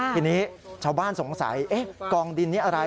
ทีนี้ชาวบ้านสงสัยกองดินนี้อะไร